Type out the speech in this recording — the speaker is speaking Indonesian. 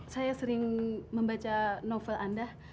saya sering membaca novel anda